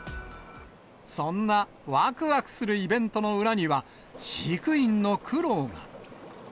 そんなわくわくするイベントの裏には、飼育員の苦労が。